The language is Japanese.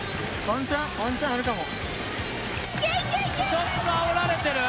ちょっとあおられてる？